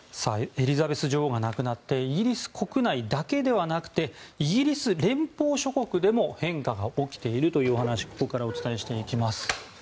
エリザベス女王が亡くなってイギリス国内だけではなくてイギリス連邦諸国でも変化が起きているというお話をここからお伝えしていきます。